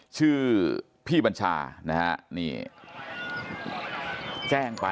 คุณยายบุญช่วยนามสกุลสุขล้ำ